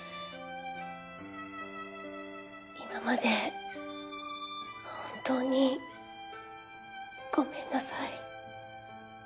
今まで本当にごめんなさい。